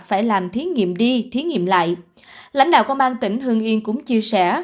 phải làm thí nghiệm đi thí nghiệm lại lãnh đạo công an tỉnh hương yên cũng chia sẻ